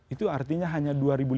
itu artinya hanya dua lima ratus